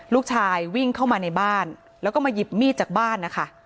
ลูกชายวิ่งเข้ามาในบ้านแล้วก็มาหยิบมีดจากบ้านนะคะ